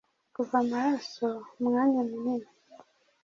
Kuva amaraso umwanya munini